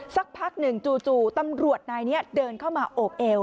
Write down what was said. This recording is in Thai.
สักพักหนึ่งจู่ตำรวจนายนี้เดินเข้ามาโอบเอว